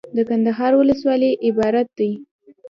دکندهار ولسوالۍ عبارت دي.